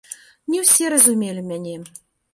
Не ўсе разумелі мяне.